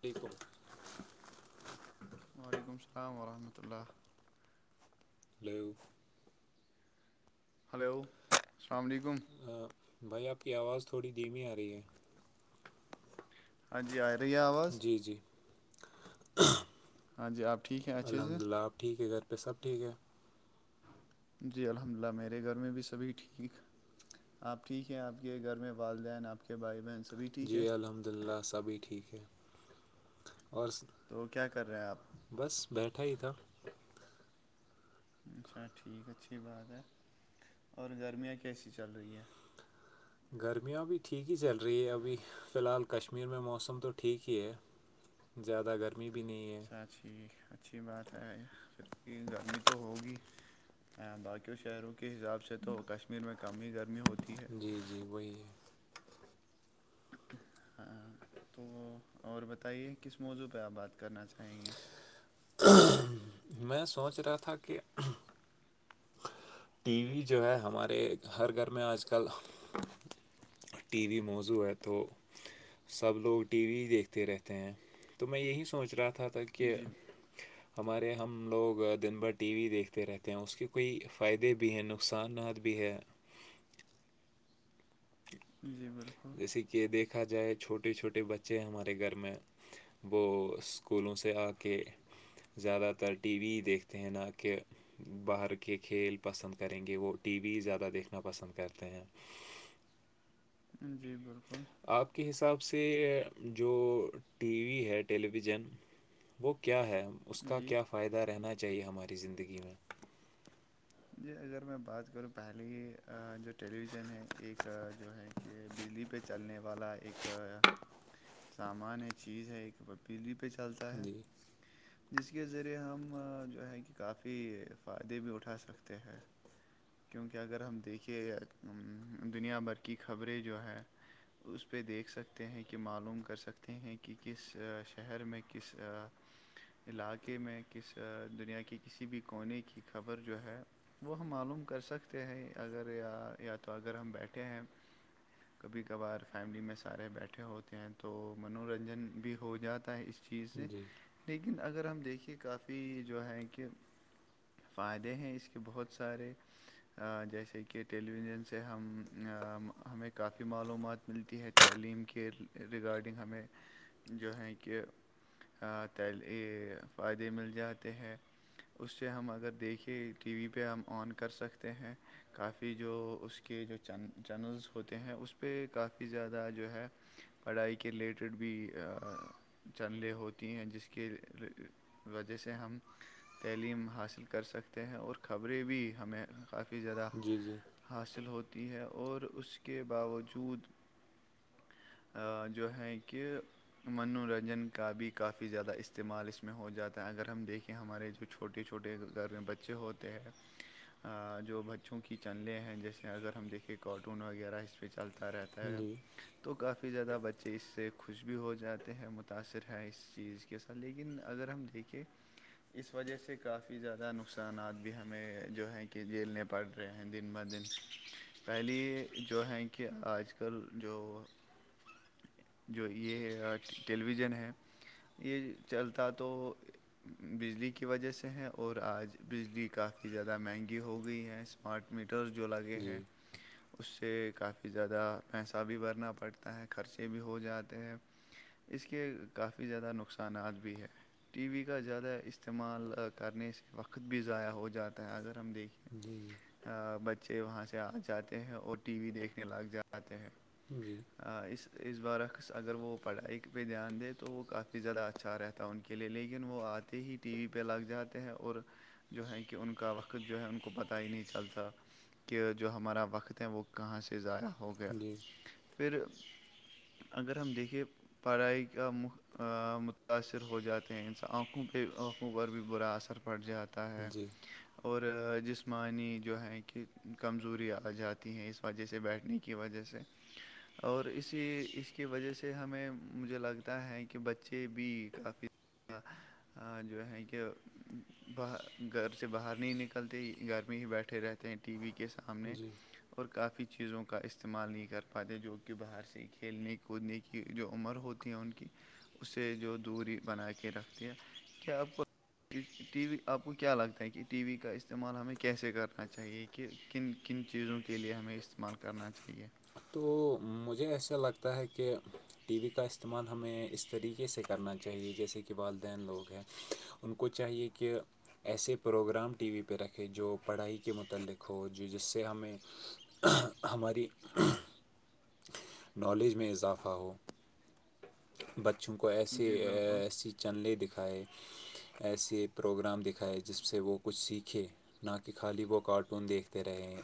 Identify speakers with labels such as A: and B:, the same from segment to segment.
A: ایکیک
B: وعلیکم السلام ورحمۃہ اللہ
A: لو
B: ہلو السلام علیکم
A: بھائی آپ کی آواز تھوڑی دھیمی آ رہی ہے
B: ہاں جی آئے رہی آب
A: جی جی
B: ہاں جی آپ ٹھیک ہیں اچھے سے
A: الحمد للہ آپ ٹھیک ہے سھر پ سب ٹھیک ہے
B: جی الحمد للہ میرے گھر میں بھی سبھی ٹھیک آپ ٹھیک ہے آپ کے گھر میں والدین آپ کے بائی مینس بھیچ
A: جی الحمد للہ سبھی ٹھیک ہے اور
B: تو کیا کر رہے ہیں آپ
A: بس بیٹھا ہی تھا
B: اچھا ٹھیک اچھی بات ہے اور گرمیاں کیسی چل رہی ہیں
A: گرمیاں بھیھی ٹھیک ہی چل رہی ہے ابھی فی الحال کشمیر میں موسم تو ٹھیک ہی ہے زیادہ گرمی بھی نہیں ہے
B: اچھا ٹھیک اچھی بات ہے پھر گرمی تو ہوگی باقیوں شہروں کے حساب سے تو کشمیر میں کم ہی گرمی ہوتی ہے
A: جی جی وہی ہے
B: ہاں تو اور بتائیے کس موضوع پہ آپ بات کرنا چاہیں گے
A: میں سوچ رہا تھا کہ ٹی وی جو ہے ہمارے ہر گھر میں آج کل ٹی وی موزووں ہے تو سب لوگ ٹی وی دیکھتے رہتے ہیں تو میں یہی سوچ رہا تھا ج تک کہ
B: جی
A: ہمارے ہم لوگ دن بھر ٹی وی دیکھتے رہتے ہیں اس کی کوئی فائدے بھی ہیں نقصانات بھی ہیں
B: جی بالکل
A: جیسے کہ دیکھا جائے چھوٹے چھوٹے بچے ہمارے گھر میں وہ اسکولوں سے آ کے زیادہ تر ٹی وی ہی دیکھتے ہیں نہ کہ باہر کے کھیل پسند کریں گے وہ ٹی وی زیادہ دیکھنا پسند کرتے ہیں
B: جی بالکل
A: آپ کے حساب سے جو ٹی وی ہے ٹیلی ویژن وہ کیا ہے اس کا
B: جی
A: کیا فائدہ رہنا چاہیے ہماری زندگی میں
B: جی اگر میں بات کروں پہلیے جو ٹیلی ویژن ہے ایک جو ہے کہ بجلی پہ چلنے والا ایک سامان ہے چیز ہے ایک بجلی پہ چلتا ہے
A: جی
B: جس کے ذریعے ہم جو ہے کہ کافی فائدے بھی اٹھا سکتے ہیں کیونکہ اگر ہم دیکھے دنیا بھر کی خبریں جو ہے اس پہ دیکھ سکتے ہیں کہ معلوم کر سکتے ہیں کہ کس شہر میں کس علاقے میں کس دنیا کے کسی بھی کونے کی خبر جو ہے وہ ہم معلوم کر سکتے ہیں اگر یا یا تو اگر ہم بیٹھے ہیں کبھی کبھار فیملی میں سارے بیٹھے ہوتے ہیں تو منورنجن بھی ہو جاتا ہے اس چیز چیزیں
A: جی
B: لیکن اگر ہم دیکھیے کافی جو ہے کہ فائدے ہیں اس کے بہت سارے جیسے کہ ٹیلی ویژن سے ہم ہمیں کافی معلومات ملتی ہے تعلیم کے ریگارڈنگ ہمیں جو ہیں کہ ہ فائدے مل جاتے ہیں اس سے ہم اگر دیکھیں ٹی وی پہ ہم آن کر سکتے ہیں کافی جو اس کے جو چینلز ہوتے ہیں اس پہ کافی زیادہ جو ہے پڑھائی کے ریلیٹڈ بھی چینلیں ہوتی ہیں جس کے وجہ سے ہم تعلیم حاصل کر سکتے ہیں اور خبریں بھی ہمیں کافی زیادہ
A: جی جی
B: حاصل ہوتی ہے اور اس کے باوجود جو ہیں کہ منورنجن کا بھی کافی زیادہ استعمال اس میں ہو جاتا ہے اگر ہم دیکھیں ہمارے جو چھوٹے چھوٹے گھر میں بچے ہوتے ہیں جو بچوں کی چنلیں ہیں جیسے اگر ہم دیکھیں کارٹون وغیرہ اس پہ چلتا رہتا تو
A: جی
B: تو کافی زیادہ بچے اس سے خوش بھی ہو جاتے ہیں متاأثر ہیں اس چیز کے ساتھ لیکن اگر ہم دیکھیں اس وجہ سے کافی زیادہ نقصانات بھی ہمیں جو ہیں کہ جیلنے پڑ رہے ہیں دن بہ دن پہلیے جو ہیں کہ آج کل جو جو یہ ٹیلی ویژن ہے یہ چلتا تو بجلی کی وجہ سے ہے اور آج بجلی کافی زیادہ مہنگی ہو گئی ہے اسمارٹ میٹر جو لگے ہیں
A: جی
B: اس سے کافی زیادہ پیسہ بھی بھرنا پڑتا ہے خرچے بھی ہو جاتے ہیں اس کے کافی زیادہ نقصانات بھی ہے ٹی وی کا زیادہ استعمال کرنے سے وقت بھی ضائع ہو جاتا ہے اگر ہم دیکھیں
A: جی جی
B: بچے وہاں سے آ جاتے ہیں اور ٹی وی دیکھنے لگ جاتے ہیں
A: جی
B: اس اس برعکس اگر وہ پڑھائی پہ دھیان دے تو وہ کافی زیادہ اچھا رہتا ہے تا ان کے لیے لیکن وہ آتے ہی ٹی وی پہ لگ جاتے ہیں اور جو ہے کہ ان کا وقت وقت جو ہے ان کو پتہ ہی نہیں چلتا کہ جو ہمارا وقت ہے وہ کہاں سے ضائع ہو گیا
A: جی
B: پھر اگر ہم دیکھے پڑھائی کا م متاثر ہو جاتے ہیں ان آنکھوں پہ آنکھوں پر بھی برا اثر پڑ جاتا ہے
A: جی
B: اور جسمانی جو ہے کہ کمزوری آ جاتی ہے اس وجہ سے بیٹھنے کی وجہ سے اور اسی اس کی وجہ سے ہمیں مجھے لگتا ہے کہ بچے بھی کافی جو ہے کہ گھر سے باہر ہے نہیں نکلتے گھر میں ہی بیٹھے رہتے ہیں ٹی وی کے سامنے
A: جی
B: اور کافی چیزوں کا استعمال نہیں کر پاتے جو کہ باہر سے کھیلنے کودنے کی کی جو عمر ہوتی ہے ان کی اسے جو دوری بنا کے رکھتے ہیں کیا آپ کو ٹی وی آپ کو کیا لگتا ہے کہ ٹی وی کا استعمال ہمیں کیسے کرنا چاہیے کہ کن کن چیزوں کے لیے ہمیں استعمال کرنا چاہیے
A: تو مجھے ایسا لگتا ہے کہ ٹی وی کا استعمال ہمیں اس طریقے سے کر کرنا چاہیے جیسے کہ والدین لوگ ہیں ان کو چاہیے کہ ایسے پروگرام ٹی وی پہ رکھے جو پڑھائی کے متعلق ہو جو جس سے ہمیں ہماری نالج میں اضافہ ہو بچوں کو ایسے
B: جی بالکل
A: ایسی چنلیں دکھائے ایسے پروگرام دکھائے جس سے وہ کچھ سیکھے نہ کہ خالی وہ کارٹون دیکھتے رہے ہیں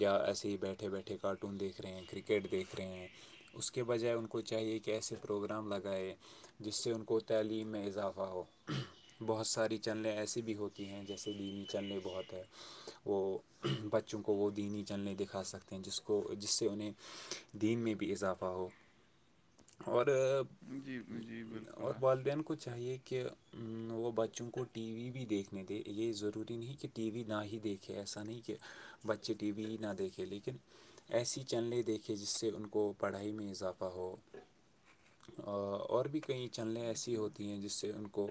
A: یا ایسے ہی بیٹھے بیٹھے مٹھے کارٹون دیکھ رہے ہیں کرکٹ دیکھ رہے ہیں اس کے بجائے ان کو چاہیے کہ ایسے پروگرام لگائے جس سے ان کو تعلیم میں اضافہ ہو بہت ساری چنلیں ایسی بھی ہوتی ہیں جیسے لیینی چنلیں بہت ہے وہ بچوں کو وہ دینی جللیں دکھا سکتے ہیں جس کو جس سے انہیں دین میں بھی اضافہ ہو اور
B: جی جی بالکل
A: اور
B: آ
A: والدین کو چاہیے کہ وہ بچوں کو ٹی وی بھی دیکھنے دے یہ ضروری نہیں کہ ٹی وی نہ ہی دیکھے ایسا نہیں کہ بچے ٹی وی نہ دیکھے لیکن ایسی چینلیں دیکھیں جس سے ان کو پڑھائی میں اضافہ ہو اور بھی کئی چینلیں ایسی ہوتی ہیں جس سے ان کو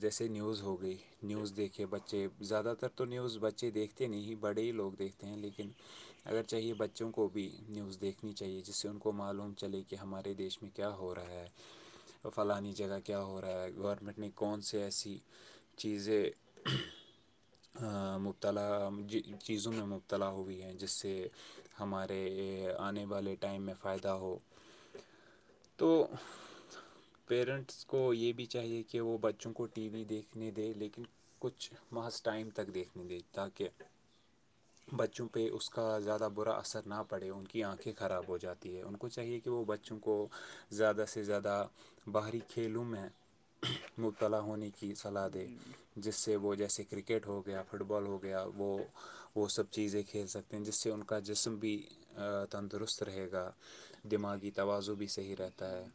A: جیسے نیوز ہو گئی نیوز دیکھے بچے زیادہ تر تو نیوز بچے دیکھتے نہیں ہی بڑے ہی لوگ دیکھتے ہیں لیکن اگر چاہیے بچوں کو بھی نیوز دیکھنی چاہیے جس سے ان کو معلوم چلے کہ ہمارے دیش میں کیا ہو رہا ہے فلانی جگہ کیا ہو رہا ہے گورنمنٹ نے کون سے ایسی چیزیں مبتلا چیزوں میں مبتلا ہوئی ہے جس سے ہمارے آنے والے ٹائم میں فائدہ ہو تو پیرنٹس کو یہ بھی چاہیے کہ وہ بچوں کو ٹی وی دیکھنے دے لیکن کچھ ماس ٹائم تک دیکھنے د تاکہ بچوں پہ اس کا زیادہ برا اثر نہ پڑے ان کی آنکھیں خراب ہو جاتی ہیں ان کو چاہیے کہ وہ ب بچوں کو زیادہ سے زیادہ باہری کھیلوں میں مبتلا ہونے کی صلاح دے
B: جی
A: جس سے وہ جیسے کرکٹ ہو گیا فٹ بال ہو گیا وہ وہ سب چیزیں کھیل سکتے ہیں جس سے ان کا جسم بھی تندرست رہے گا دماغی [unintelligible] توازع بھی صحیح رہتا ہے
B: جی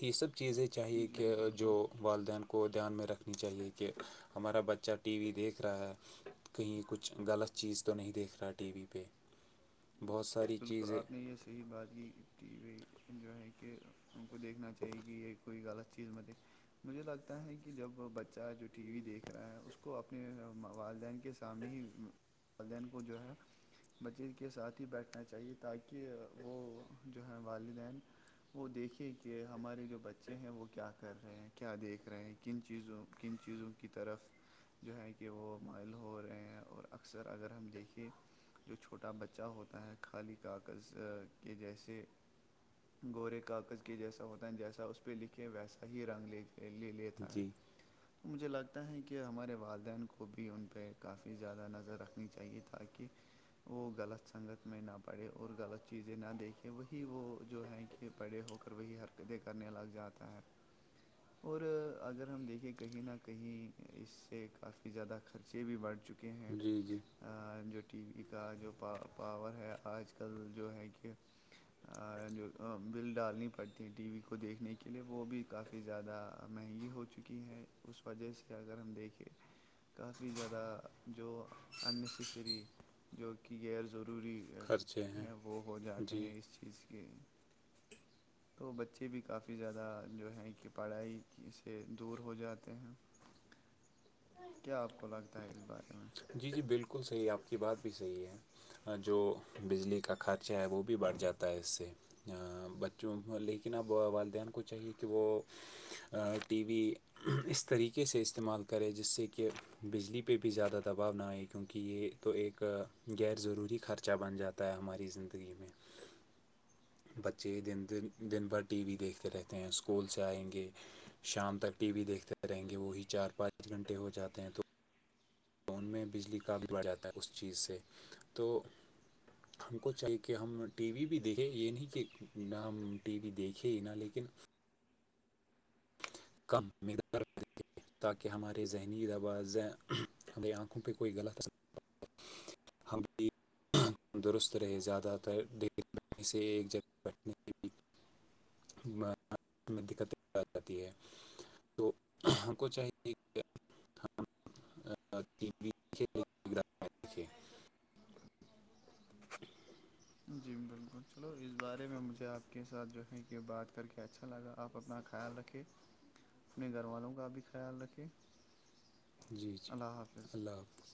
A: یہ سب چیزیں چاہیے
B: جی
A: کہ جو
B: بالکل
A: والدین کو دھیان میں رکھنی چاہیے کہ ہمارا بچہ ٹی وی دیکھ رہا ہے کہیں کچھ غلط چیز تو نہیں دیکھ رہا ٹی وی پہ بہت س
B: بالکل آپ نے یہ صحیح بات کی ٹی وی جو ہے کہ ان کو دیکھنا چاہیے کہ یہ کوئی غلط چیز متے مجھے لگتا ہے کہ جب بچہ جو ٹی وی دیکھ رہا ہے اس کو اپنے والدین کے سامنے ہی والدین کو جو ہے بچے کے ساتھ ہی بیٹھے کرنا چاہیے تاکہ وہ جو ہیں والدین وہ دیکھے کہ ہمارے جو بچے ہیں وہ کیا کر رہے ہیں کیا دیکھ رہے ہیں کن چیزوں کن چیزوں کی طرف جو ہے کہ وہ مائل ہو رہے ہیں اور اکثر اگر ہم دیکھیھے جو چھوٹا بچہ ہوتا ہے خالی کاغذ کے جیسے گورے کاغذ کے جیسا ہوتا ہے جیسا اس پہ لکھے ویسا ہی رنگ لےج پ لے لیتا ہے
A: جی
B: [unintelligible] مجھے لگتا ہے کہ ہمارے والدین کو بھی ان پہ کافی زیادہ نظر رکھنی چاہیے تاکہ وہ غلط سنگت [unintelligible] میں نہ پڑے اور غلط چیزیں نہ دیکھیں وہی وہ جو ہیں کہ پڑے ہو کر وہی ہر پدے کرنے لگ جاتا ہے
A: [inaudible]
B: اور اگر ہم دیکھیں کہیں نہ کہیں اس سے کافی زیادہ خرچے بھی بڑھ چکے ہیں
A: جی جی
B: جو ٹی وی کا جوا پاور ہے آج کل جو ہے کہ جو بل ڈالنی پڑتی ہے ٹی وی کو دیکھنے کے لیے وہ بھی کافی کافی زیادہ مہنگی ہو چکی ہے اس وجہ سے اگر ہم دیکھیں کافی زیادہ جو اننیسیسری جو کہ غیر ضروری تے ہیں وہ ہو جاتے
A: جی
B: ہیں اس چیز کے تو بچے بھی کافی زیادہ جو ہیں کہ پڑھائی سے دور ہو جاتے ہیں
A: [inaudible]
B: کیا آپ کو لگتا ہے اس بارے میں
A: جی جی بالکل صحیح آپ کی بات بھی صحیح ہے اور جو بجلی کا خرچہ ہے وہ بھی بڑھ جاتا ہے اس سے بچوں لیکن اب والدین کو چاہیے کہ وہ ٹی وی اس طریقے سے استعمال کرے جس سے کہ بجلی پہ بھی زیادہ ت دباؤ نہئے کیونکہ یہ تو ایک غیر ضروری خرچہ بن جاتا ہے ہماری زندگی میں [inaudible] بچے دن د دن بھر ٹی وی دیکھتے رہتے ہیں اسکول سے آئیں گے شام تک ٹی وی دیکھتے رہیں گے وہی چار پانچ گھنٹے ہو جاتے ہیں تو تو ان میں بجلی کام بڑھ جاتا ہے اس چیز سے تو ہم کو چاہیے کہ ہم ٹی وی بھی دیکھیں یہ نہیں کہ نہ ہم ٹی وی دیکھے نہا لیکن [inaudible] تاکہ ہمارے ذہنی دویں ہماری آنکھوں پہ کوئی غلط اثر ہم درست رہے زیادہ تر ڈری سے ایک جگہ بیٹھنے کے دقتیں آ جاتی ہے تو ہم کو چاہیے کہ ہم ٹی وی دیکھیں مقدار میں دیکھیں.
B: جی بالکل چلو اس بارے میں مجھے آپ کے ساتھ جو ہے کہ بات کر کے اچھا لگا آپ اپنا خیال رکھ اپنے گھر والوں کا بھی خیال رکھے
A: جی جی
B: اللہ حافظ
A: اللہ حافظ